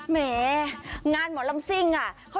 แหมงานหมอลำซิ่งอะเขาอยากให้ปลอดภัยค่ะ